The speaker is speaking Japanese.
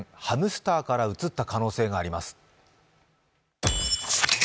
ハムスターからうつった可能性があります。